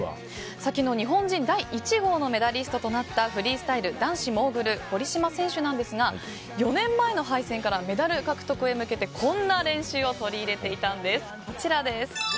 昨日、日本人第１号のメダリストとなったフリースタイル男子モーグル堀島選手ですが４年前の敗戦からメダル獲得へ向けてこんな練習を取り入れていたんです。